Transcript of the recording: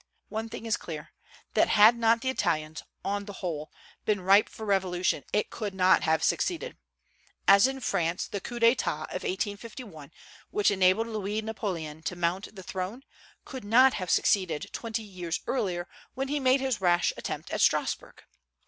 One thing is clear, that had not the Italians, on the whole, been ripe for revolution it could not have succeeded; as in France the coup d'état of 1851, which enabled Louis Napoleon to mount the throne, could not have succeeded twenty years earlier when he made his rash attempt at Strasburg.